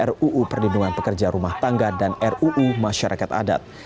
ruu perlindungan pekerja rumah tangga dan ruu masyarakat adat